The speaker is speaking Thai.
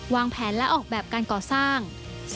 วางแผนและออกแบบการก่อสร้าง